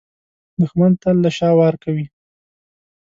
دښمن تل له شا وار کوي